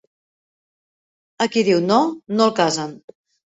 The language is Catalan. A qui diu no, no el casen.